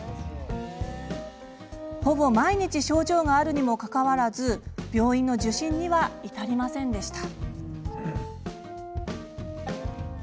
ほぼ毎日症状があるにもかかわらず病院の受診には至りませんでした。